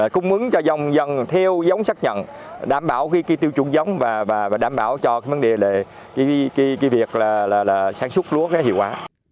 cung ứng cho dòng dân theo giống xác nhận đảm bảo khi tiêu chuẩn giống và đảm bảo cho cái việc là sản xuất lúa hiệu quả